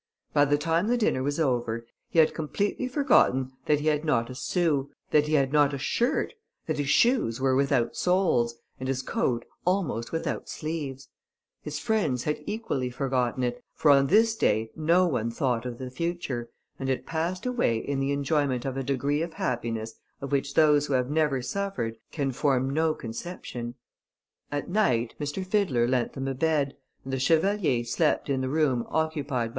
By the time the dinner was over, he had completely forgotten that he had not a sou, that he had not a shirt, that his shoes were without soles, and his coat almost without sleeves; his friends had equally forgotten it, for on this day no one thought of the future, and it passed away in the enjoyment of a degree of happiness of which those who have never suffered can form no conception. At night, M. Fiddler lent them a bed, and the chevalier slept in the room occupied by M.